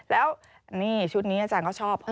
แล้วนี่ชุดนี้อาจารย์ก็ชอบ